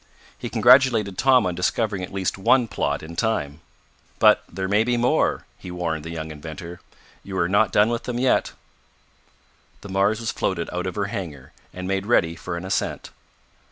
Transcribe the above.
He congratulated Tom on discovering at least one plot in time. "But there may be more," he warned the young inventor. "You are not done with them yet." The Mars was floated out of her hangar, and made ready for an ascent.